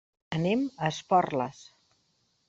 Anem a Esporles.